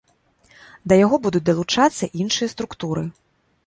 Да яго будуць далучацца іншыя структуры.